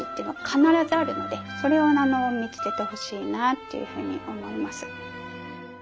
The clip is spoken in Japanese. っていうふうに思います。